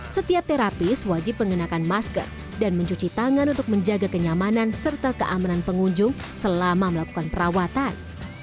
setiap terapis wajib mengenakan masker dan mencuci tangan untuk menjaga kenyamanan serta keamanan pengunjung selama melakukan perawatan